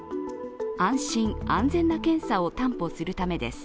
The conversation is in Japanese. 安心・安全な検査を担保するためです。